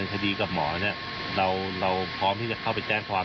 จริงกับหมอเราพร้อมที่จะเข้าไปแจ้งความ